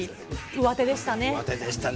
上手でしたね。